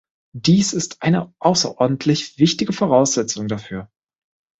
Dies ist eine außerordentlich wichtige Voraussetzung dafür.